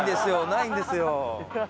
ないんですよ。